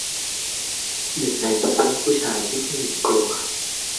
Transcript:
หนึ่งในประเภทผู้ชายที่ผู้หญิงกลัว